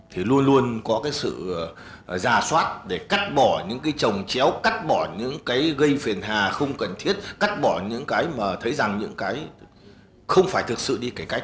thì luôn luôn có sự ra soát để cắt bỏ những trồng chéo cắt bỏ những gây phiền hà không cần thiết cắt bỏ những cái mà thấy rằng những cái không phải thực sự đi cải cách